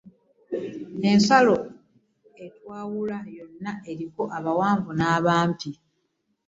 Ensalo etwawula yonna eriko abawanvu n'abampi.